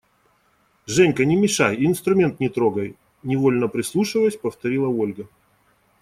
– Женька, не мешай и инструмент не трогай! – невольно прислушиваясь, повторила Ольга.